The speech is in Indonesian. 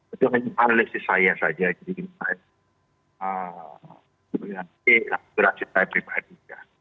itu hanya analisis saya saja jadi saya ingin mengikuti akurasi saya pribadi